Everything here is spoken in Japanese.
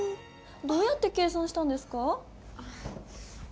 どうやって計算したんですか？